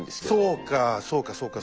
そうかそうかそうか。